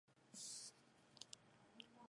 在家覺得寂寞